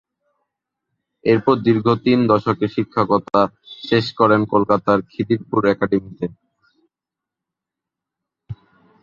এরপর দীর্ঘ তিন দশকের শিক্ষকতা শেষ করেন কলকাতার খিদিরপুর একাডেমিতে।